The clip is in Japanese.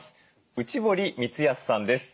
内堀光康さんです。